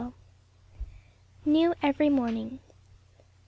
15 NEW EVERY MORNING.